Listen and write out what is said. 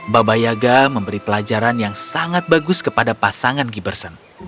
baba yaga memberi pelajaran yang sangat bagus kepada pasangan gibran